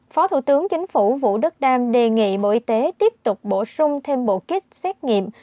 phó thủ tướng chính phủ vũ đức đam đề nghị bộ y tế tiếp tục bổ sung thêm bộ kit xét nghiệm